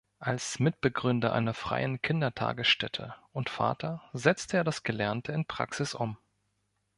Als Mitbegründer einer freien Kindertagesstätte und Vater setzte er das Gelernte in Praxis um.